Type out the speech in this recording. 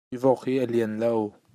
Hi vok hi a lian lo.